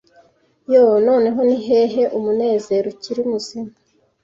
yoo noneho nihehe umunezero ukiri muzima